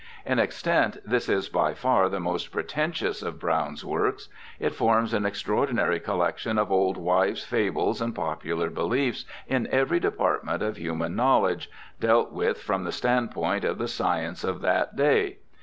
In extent this is by far the most pretentious of Browne's works. It forms an extraordinary collection of old wives' fables and popular beliefs in every department of human know ledge, dealt with from the standpoint of the science of that day.